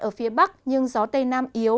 ở phía bắc nhưng gió tây nam yếu